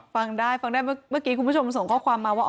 ฟังได้ฟังได้เมื่อกี้คุณผู้ชมส่งข้อความมาว่า